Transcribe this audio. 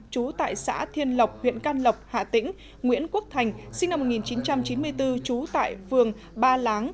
chú tại xã thiên lộc huyện can lộc hà tĩnh nguyễn quốc thành sinh năm một nghìn chín trăm chín mươi bốn trú tại phường ba láng